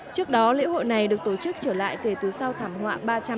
trước đó lễ hội này được tổ chức trở lại kể từ sau thảm họa